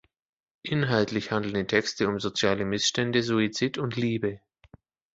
Inhaltlich handeln die Texte um soziale Missstände, Suizid und Liebe.